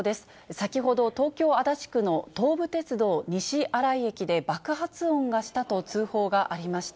先ほど、東京・足立区の東武鉄道西新井駅で爆発音がしたと通報がありました。